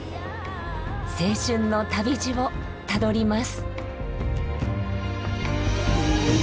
青春の旅路をたどります。